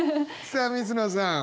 さあ水野さん。